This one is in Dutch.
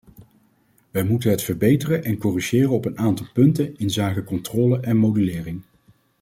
Wij moeten het verbeteren en corrigeren op een aantal punten inzake controle en modulering.